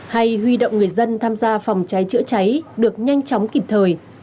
hay huy động người dân tham gia phòng cháy chữa cháy được nhanh chóng kịp thời